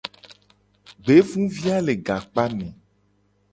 Gbevuvia le gakpame.